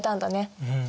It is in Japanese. うん。